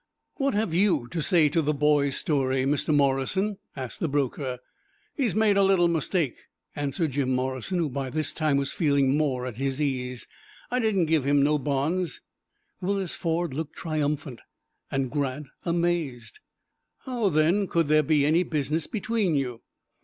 "What have you to say to the boy's story, Mr. Morrison?" asked the broker. "He's made a little mistake," answered Jim Morrison, who by this time was feeling more at his ease. "I didn't give him no bonds." Willis Ford looked triumphant, and Grant amazed. "How, then, could there be any business between you?"